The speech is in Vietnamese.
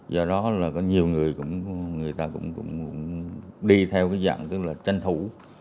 do đó là có nhiều người ta cũng đi theo cái dạng tức là tranh thủ